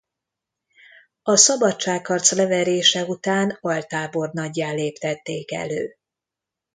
A szabadságharc leverése után altábornaggyá léptették elő.